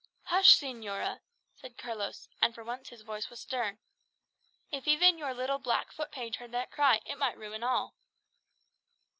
"Hush, señora!" said Carlos; and for once his voice was stern. "If even your little black foot page heard that cry, it might ruin all."